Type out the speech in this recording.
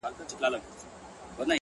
د مُحبت کچکول په غاړه وړم د میني تر ښار,